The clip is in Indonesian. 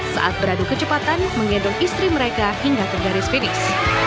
saat beradu kecepatan menggendong istri mereka hingga ke garis finis